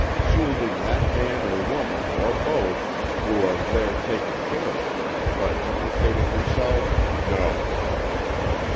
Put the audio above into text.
Shielding that man or woman or both, who are there taking care of her, but implicated herself, no!"